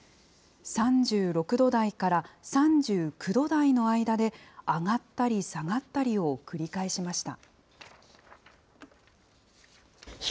３６度台から３９度台の間で上がったり下がったりを繰り返しました。